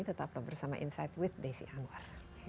tetaplah bersama insight with desi anwar